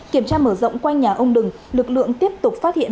kiểm tra mở rộng quanh nhà ông đừng lực lượng tiếp tục phát hiện